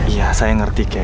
iya saya ngerti ke